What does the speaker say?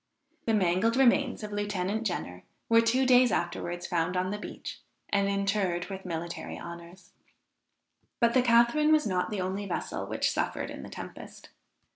The mangled remains of Lieutenant Jenner were two days afterwards found on the beach, and interred with military honors. But the Catharine was not the only vessel which suffered in the tempest.